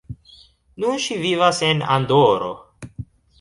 Nun ŝi vivas en Andoro.